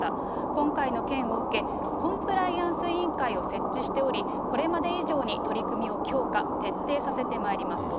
今回の件を受け、コンプライアンス委員会を設置しており、これまで以上に取り組みを強化、徹底させてまいりますと。